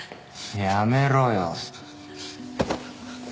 やめろよ。